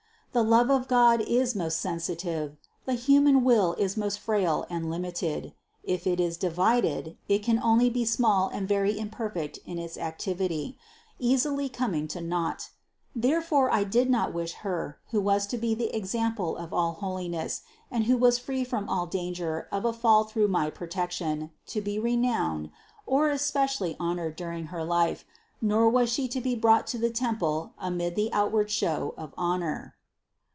The love of God is most sensitive, the human will is most frail and limited ; if it is divided, it can only be small and very imperfect in its activity, easily coming to nought. Therefore I did not wish Her, who was to be the example of all holiness and who was free from all danger of a fall through my protection, to be renowned, or specially honored during her life, nor was She to be brought to the temple amid the outward show of honor."